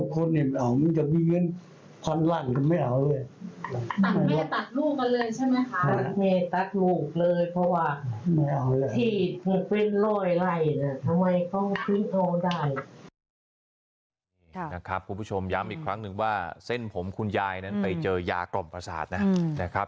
คุณผู้ชมย้ำอีกครั้งหนึ่งว่าเส้นผมคุณยายนั้นไปเจอยากล่อมประสาทนะครับ